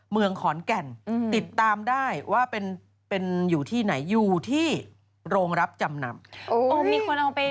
เมืองขอนแก่นติดตามได้ว่าเป็นเป็นอยู่ที่ไหนอยู่ที่โรงรับจำนำโอ้มีคนเอาไป